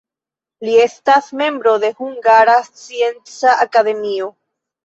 Li estas membro de Hungara Scienca Akademio.